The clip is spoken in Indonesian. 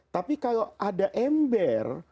tapi kalau ada ember